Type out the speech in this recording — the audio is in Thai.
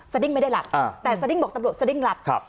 ดิ้งไม่ได้หลับแต่สดิ้งบอกตำรวจสดิ้งหลับครับ